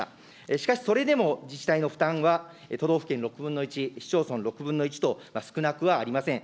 しかし、それでも自治体の負担は都道府県６分の１、市町村６分の１と、少なくはありません。